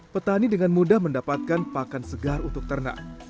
petani dengan mudah mendapatkan pakan segar untuk ternak